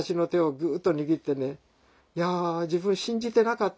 「いや自分信じてなかった。